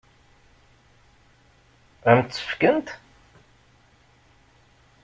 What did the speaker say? Ad m-tt-fkent?